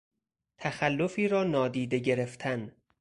تخلفی را نادیده گرفتن